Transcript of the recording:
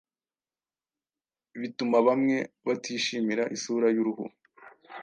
bituma bamwe batishimira isura y’uruhu